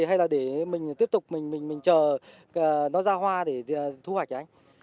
hay là để mình tiếp tục mình chờ nó ra hoa để thu hoạch ạ anh